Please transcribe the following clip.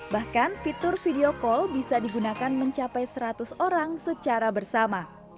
bahkan fitur video call bisa digunakan mencapai seratus orang secara bersama